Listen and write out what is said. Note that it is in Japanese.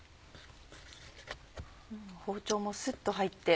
包丁もスッと入って。